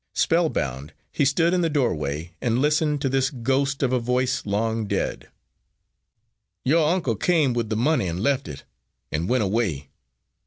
Spellbound, he stood in the doorway, and listened to this ghost of a voice long dead. "Your uncle came with the money and left it, and went away.